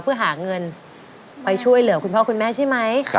เพื่อหาเงินไปช่วยเหลือคุณพ่อคุณแม่ใช่ไหม